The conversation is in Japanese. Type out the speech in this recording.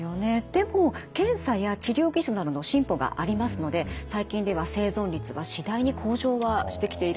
でも検査や治療技術などの進歩がありますので最近では生存率が次第に向上はしてきているんです。